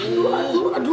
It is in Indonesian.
aduh aduh aduh aduh